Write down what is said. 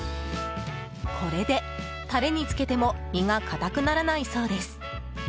これで、タレに漬けても身がかたくならないそうです。